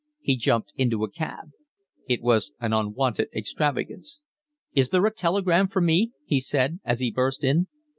He jumped into a cab. It was an unwonted extravagance. "Is there a telegram for me?" he said, as he burst in.